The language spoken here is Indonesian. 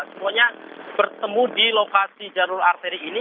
semuanya bertemu di lokasi jalur arteri ini